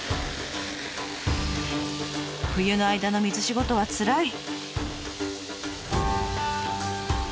冬の間の水仕事はつらい！